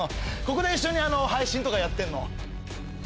ここで一緒に配信とかやってんの。